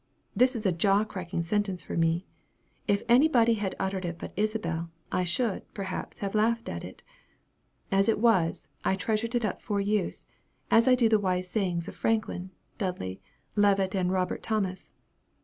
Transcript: This is a jaw cracking sentence for me. If any body had uttered it but Isabel, I should, perhaps, have laughed at it. As it was, I treasured it up for use, as I do the wise sayings of Franklin, Dudley, Leavitt, and Robert Thomas.